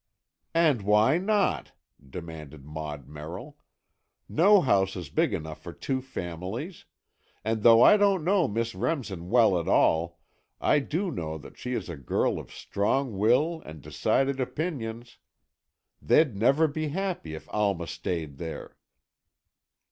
"And why not?" demanded Maud Merrill. "No house is big enough for two families; and though I don't know Miss Remsen well at all, I do know that she is a girl of strong will and decided opinions. They'd never be happy if Alma stayed there."